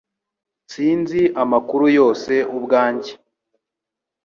Sinzi amakuru yose ubwanjye